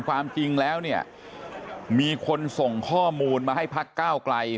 ความจริงแล้วเนี่ยมีคนส่งข้อมูลมาให้พักก้าวไกล